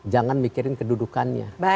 jangan mikirin kedudukannya